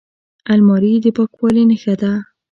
الماري د پاکوالي نښه ده